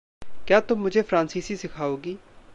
क्या तुम मुझे फ़्रांसीसी सिखाओगी?